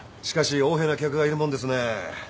しかし横柄な客がいるもんですね。